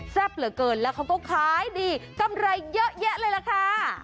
เหลือเกินแล้วเขาก็ขายดีกำไรเยอะแยะเลยล่ะค่ะ